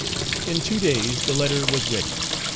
In two days the letter was ready.